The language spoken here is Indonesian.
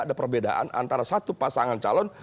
ada perbedaan antara satu pasangan calon